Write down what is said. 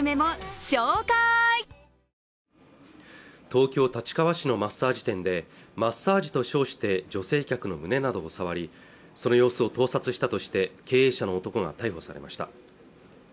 東京立川市のマッサージ店でマッサージと称して女性客の胸などを触りその様子を盗撮したとして経営者の男が逮捕されました